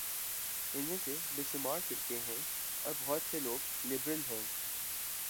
ان میں بے شمار فرقے ہیں اور بہت سے لوگ لبرل ہیں۔